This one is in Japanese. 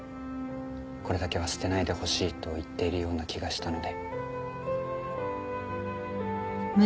これだけは捨てないでほしいと言っているような気がしたので。